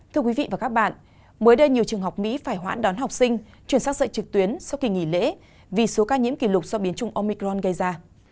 thưa quý vị và các bạn mới đây nhiều trường học mỹ phải hoãn đón học sinh truyền sát dạy trực tuyến sau khi nghỉ lễ vì số ca nhiễm kỷ lục do biến chung omicron gây ra